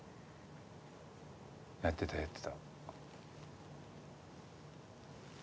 やってたやってた。